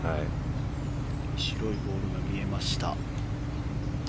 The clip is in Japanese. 白いボールが見えました。